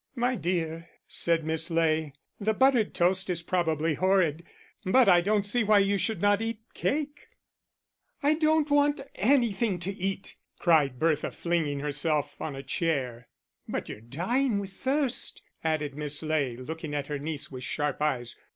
"My dear," said Miss Ley, "the buttered toast is probably horrid, but I don't see why you should not eat cake." "I don't want anything to eat," cried Bertha, flinging herself on a chair. "But you're dying with thirst," added Miss Ley, looking at her niece with sharp eyes.